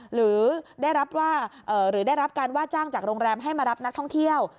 หรือได้รับหรือได้รับการว่าจ้างจากโรงแรมให้มารับนักท่องเที่ยว